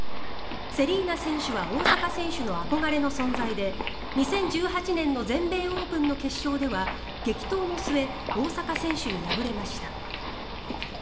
セリーナ選手は大坂選手の憧れの存在で２０１８年の全米オープンの決勝では激闘の末大坂選手に敗れました。